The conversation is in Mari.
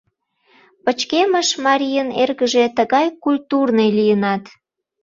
Пычкемыш марийын эргыже тыгай культурный лийынат.